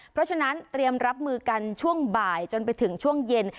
เพราะฉะนั้นเตรียมรับมือกันช่วงบ่ายจนไปถึงช่วงเย็น